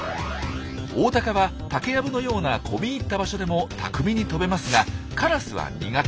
オオタカは竹やぶのような込み入った場所でも巧みに飛べますがカラスは苦手。